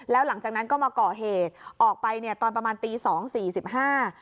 แล้วหลังจากนั้นก็มาก่อเหตุออกไปเนี่ยตอนประมาณตีสองสี่สิบห้า